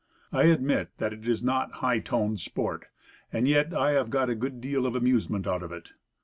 I admit that it is not high toned sport; and yet I have got a good deal of amusement out of it.